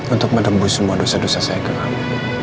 untuk menembus semua dosa dosa saya ke allah